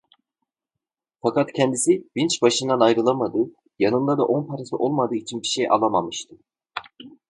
Fakat kendisi vinç başından ayrılamadığı, yanında da on parası olmadığı için bir şey alamamıştı.